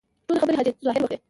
ټولې خبرې حاجي ظاهر وکړې.